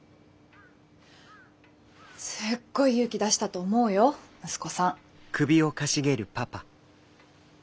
すっごい勇気出したと思うよ息子さん。